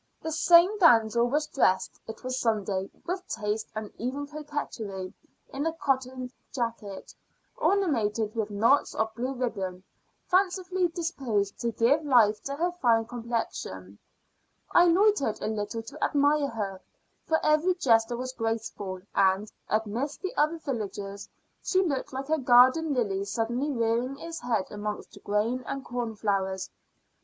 This same damsel was dressed it was Sunday with taste and even coquetry, in a cotton jacket, ornamented with knots of blue ribbon, fancifully disposed to give life to her fine complexion. I loitered a little to admire her, for every gesture was graceful; and, amidst the other villagers, she looked like a garden lily suddenly rearing its head amongst grain and corn flowers.